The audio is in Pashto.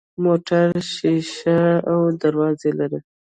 موټر شیشه او دروازې لري.